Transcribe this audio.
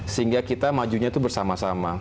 sehingga kita majunya itu bersama sama